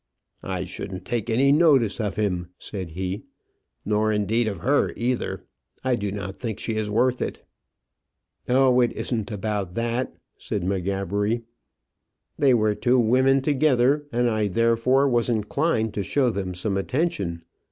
"I shouldn't take any notice of him," said he; "nor, indeed, of her either; I do not think she is worth it." "Oh, it isn't about that," said M'Gabbery. "They were two women together, and I therefore was inclined to show them some attention.